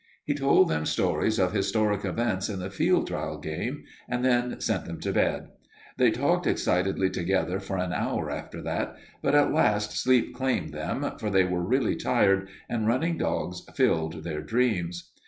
He told them stories of historic events in the field trial game, and then sent them to bed. They talked excitedly together for an hour after that, but at last sleep claimed them, for they were really tired, and running dogs filled their dreams.